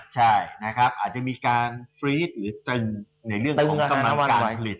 ใช่นะครับอาจจะมีการฟรีดหรือตึงในเรื่องของกำลังการผลิต